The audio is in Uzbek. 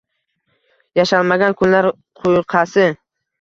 yashalmagan kunlar quyqasi